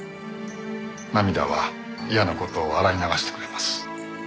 涙は嫌な事を洗い流してくれます。